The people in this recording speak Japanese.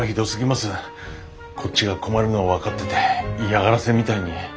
こっちが困るのを分かってて嫌がらせみたいに。